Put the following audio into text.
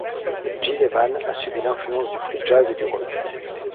Gil Evans a subi l’influence du free jazz et du rock.